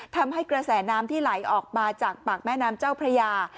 ทำให้กระแสน้ำที่ไหลออกมาจากปากแม่น้ำเจ้าพระยา